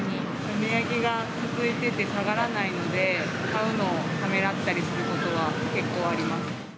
値上げが続いてて、下がらないので、買うのをためらったりすることは結構あります。